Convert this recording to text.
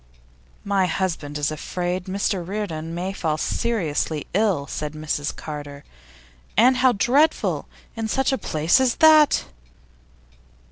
'My husband is afraid Mr Reardon may fall seriously ill,' said Mrs Carter. 'And how dreadful! In such a place as that!